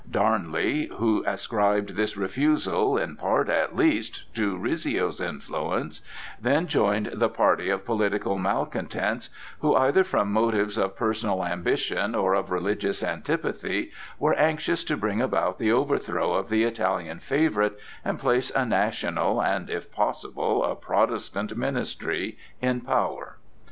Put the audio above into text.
Darnley, who ascribed this refusal, in part at least, to Rizzio's influence, then joined the party of political malcontents who, either from motives of personal ambition or of religious antipathy, were anxious to bring about the overthrow of the Italian favorite and place a national and, if possible, a Protestant ministry in power.